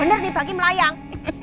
bener nih lagi melayang